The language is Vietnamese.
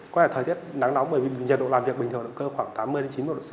có thể thời tiết nắng nóng bởi vì nhiệt độ làm việc bình thường động cơ khoảng tám mươi chín mươi độ c